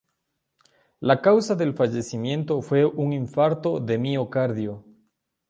La causa del fallecimiento fue un infarto de miocardio.